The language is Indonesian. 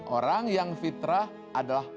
orang yang fitrah adalah